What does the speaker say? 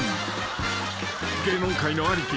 ［芸能界の兄貴